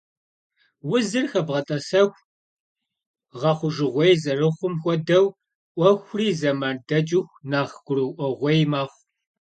Узыр хэбгъэтӀэсэху гъэхъужыгъуей зэрыхъум хуэдэу Ӏуэхури, зэман дэкӀыху, нэхъ гурыӀуэгъуей мэхъу.